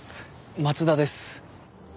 松田です。